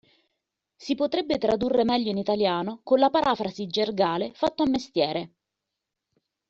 Si potrebbe tradurre meglio in italiano con la parafrasi gergale "fatto a mestiere".